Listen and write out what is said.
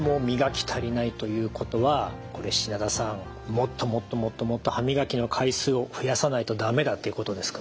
もっともっともっともっと歯磨きの回数を増やさないと駄目だっていうことですか？